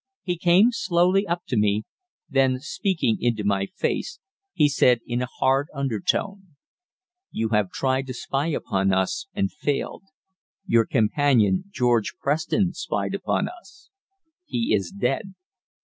He came slowly up to me; then, speaking into my face, he said in a hard undertone: "You have tried to spy upon us and failed. Your companion, George Preston, spied upon us he is dead.